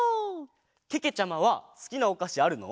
けけちゃまはすきなおかしあるの？